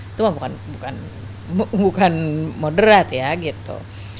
itu bukan moderat ya gitu